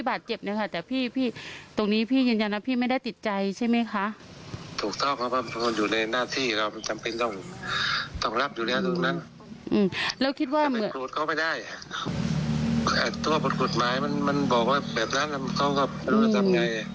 พี่บาดเจ็บนะคะแต่ตรงนี้พี่ยืนยันนะพี่ไม่ได้ติดใจใช่ไหมคะ